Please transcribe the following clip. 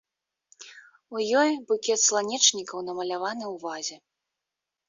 У ёй букет сланечнікаў намаляваны ў вазе.